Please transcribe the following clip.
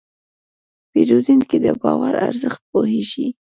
پیرودونکی د باور ارزښت پوهېږي.